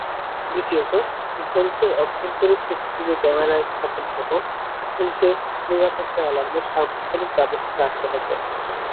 দ্বিতীয়ত, ভল্টের অভ্যন্তরে CCTV camera স্থাপনসহ ভল্টে নিরাপত্তা অ্যালার্মের সার্বক্ষণিক ব্যবস্থা রাখতে হবে।